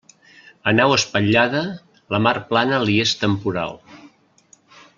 A nau espatllada, la mar plana li és temporal.